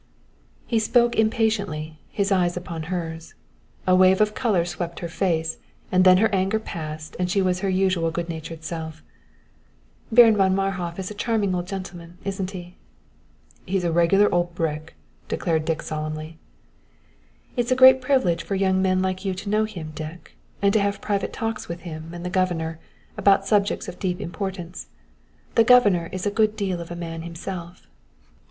He spoke impatiently, his eyes upon hers. A wave of color swept her face, and then her anger passed and she was her usual good natured self. "Baron von Marhof is a charming old gentleman, isn't he?" "He's a regular old brick," declared Dick solemnly. "It's a great privilege for a young man like you to know him, Dick, and to have private talks with him and the governor about subjects of deep importance. The governor is a good deal of a man himself."